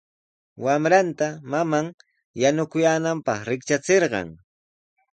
Wamranta maman yanukuyaananpaq riktrachirqan.